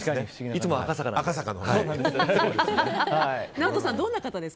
いつも赤坂なので。